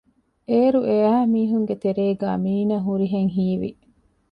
އޭރު އެއައި މީހުންގެތެރޭގައި މީނަ ހުރިހެން ހީވި